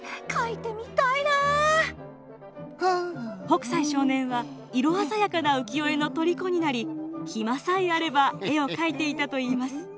北斎少年は色鮮やかな浮世絵のとりこになり暇さえあれば絵を描いていたといいます。